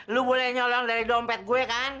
lu boleh nyolong dari dompet gue kan